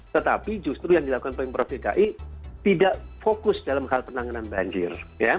tetapi justru yang dilakukan pemprov dki tidak fokus dalam hal penanganan banjir